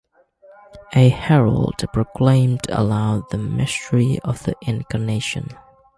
A herald proclaimed aloud the mystery of the incarnation.